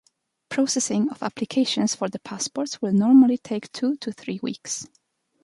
Processing of applications for the passports will normally take two to three weeks.